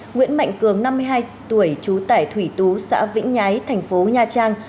nguyễn mạnh cường năm mươi hai tuổi trú tại thủy tú xã vĩnh nhái thành phố nha trang